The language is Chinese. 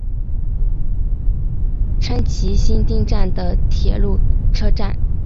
川崎新町站的铁路车站。